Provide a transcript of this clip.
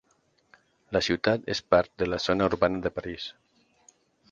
La ciutat és part de la zona urbana de París.